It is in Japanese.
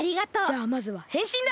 じゃあまずはへんしんだ！